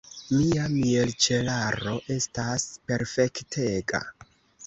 Mia mielĉelaro estas perfektega.